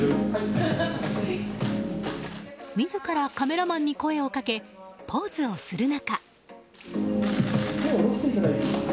自らカメラマンに声をかけポーズをする中。